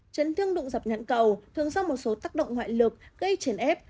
chấn thương đụng dập nhãn cầu thường do một số tác động ngoại lực gây chến ép